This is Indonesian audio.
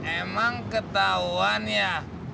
emang ketauan ya